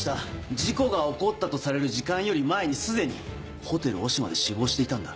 事故が起こったとされる時間より前に既にホテルオシマで死亡していたんだ。